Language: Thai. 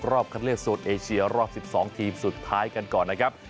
คัดเลือกโซนเอเชียรอบ๑๒ทีมสุดท้ายกันก่อนนะครับ